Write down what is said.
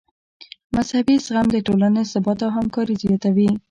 مذهبي زغم د ټولنې ثبات او همکاري زیاتوي.